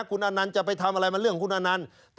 คุณอนันต์จะไปทำอะไรมันเรื่องของคุณอนันต์